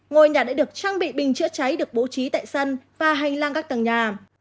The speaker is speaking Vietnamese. ngôi nhà đã được trang bị bình chữa cháy được bố trí tại sân và hành lang các tầng nhà